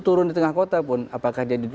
turun di tengah kota pun apakah dia